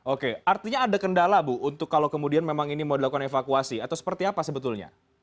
oke artinya ada kendala bu untuk kalau kemudian memang ini mau dilakukan evakuasi atau seperti apa sebetulnya